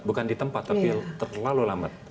bukan di tempat tapi terlalu lambat